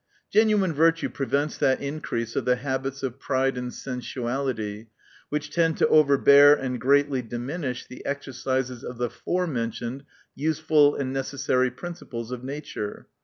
Genuine virtue prevents that increase of the habits of pride and sensuality, which tend to overbear and greatly diminish the exercises of the forementioned useful and necessary principles of nature.